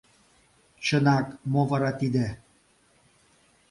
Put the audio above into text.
Чынак мо вара тиде?!